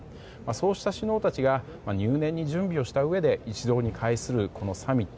そうした首脳たちが入念に準備をしたうえで一堂に会するこのサミット。